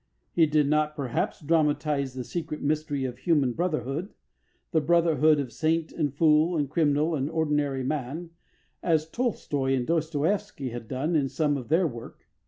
He did not, perhaps, dramatise the secret mystery of human brotherhood the brotherhood of saint and fool and criminal and ordinary man as Tolstoi and Dostoevsky have done in some of their work.